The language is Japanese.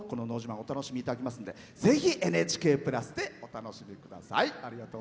お楽しみいただけますのでぜひ「ＮＨＫプラス」でお楽しみください。